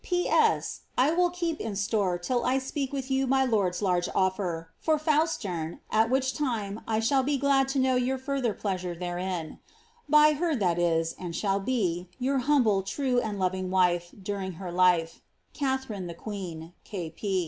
"P. S. — I will keep in store till I speak with you my lord*s large offer frr Fausterne, at which time I shall be glnd to know your further pleasure thereifti ^By her that is, and shall be, your humble, true, and loving wife during hft hfe, " Katkbtst THi QcEsri, K. P."